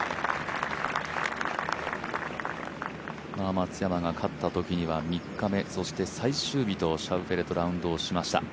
松山が勝ったときには３日目そして最終日とシャウフェレとラウンドしました。